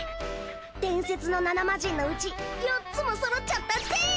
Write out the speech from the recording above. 伝説の７マジンのうち４つもそろっちゃったぜい！